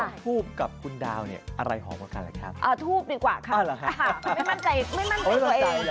แล้วก็ถูกกับคุณดาวอะไรหอมกว่ากันแหละครับ